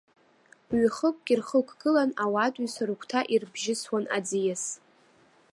Ҩ-хықәк ирхықәгылан ауаатәыҩса, рыгәҭа ирыбжьысуан аӡиас.